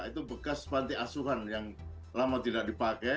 itu bekas panti asuhan yang lama tidak dipakai